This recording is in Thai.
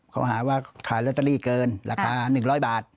เขาหาว่าขายลอตเตอรี่เกินราคา๑๐๐บาท